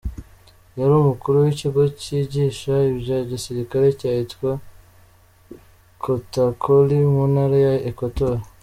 Yari umukuru w’ikigo cyigisha ibya gisirikare cy’ahitwa Kotakoli mu ntara ya Equateur.